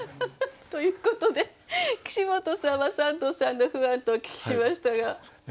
ということで岸本さんは三度さんのファンとお聞きしましたが。